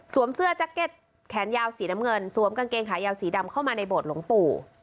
เสื้อแจ็คเก็ตแขนยาวสีน้ำเงินสวมกางเกงขายาวสีดำเข้ามาในโบสถหลวงปู่